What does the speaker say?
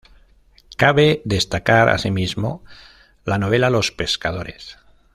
Cabe destacar asimismo la novela "Los pescadores".